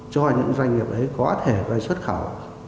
cho những doanh nghiệp ấy có thể xuất khẩu